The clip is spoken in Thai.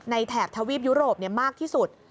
แถบทวีปยุโรปมากที่สุด